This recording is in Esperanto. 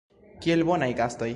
Kiel bonaj gastoj.